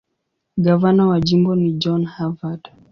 Gavana wa jimbo ni John Harvard.